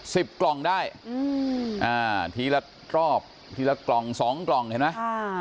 กล่องได้อืมอ่าทีละรอบทีละกล่องสองกล่องเห็นไหมค่ะ